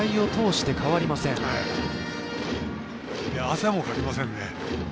汗もかきませんね。